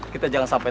kita jangan sampai